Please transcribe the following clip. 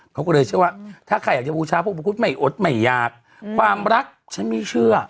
เขาก็เลยเชื่อว่าถ้าใครอยากจะบูชาพระอุปคุฎไม่อดไม่อยากความรักฉันไม่เชื่อ